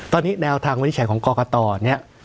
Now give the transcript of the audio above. ตอนนี้แนวทางวินิจฉัยของกรกตเนี่ย